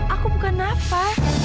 aku bukan nafa